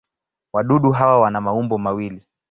Wadudu hawa wana maumbo mawili.